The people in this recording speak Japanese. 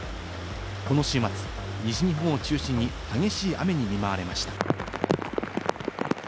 この週末、西日本を中心に激しい雨に見舞われました。